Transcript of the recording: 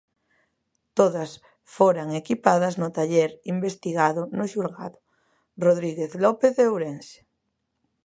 Todas foran equipadas no taller investigado no xulgado: Rodríguez López, de Ourense.